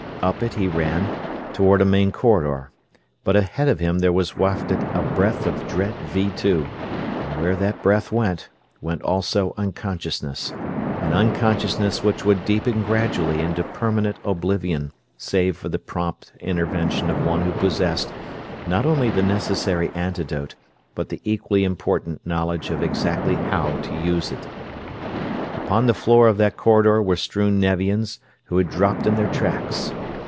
Up it he ran, toward a main corridor. But ahead of him there was wafted a breath of dread Vee Two, and where that breath went, went also unconsciousness an unconsciousness which would deepen gradually into permanent oblivion save for the prompt intervention of one who possessed, not only the necessary antidote, but the equally important knowledge of exactly how to use it. Upon the floor of that corridor were strewn Nevians, who had dropped in their tracks.